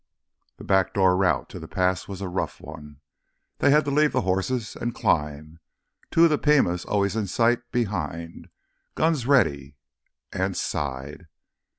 The back door route to the pass was a rough one. They had to leave the horses and climb, two of the Pimas always in sight behind, guns ready. Anse sighed.